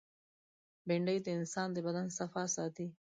بېنډۍ د انسان د بدن صفا ساتي